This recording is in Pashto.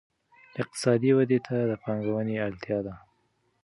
اقتصادي ودې ته د پانګې اړتیا ده.